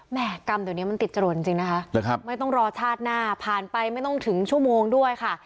แม่กรรมเดี๋ยวนี้มันติดจรวนจริงนะคะไม่ต้องรอชาติหน้าผ่านไปไม่ต้องถึงชั่วโมงด้วยค่ะ